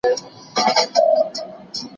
دا د پښتنو د پوهانو دنده ده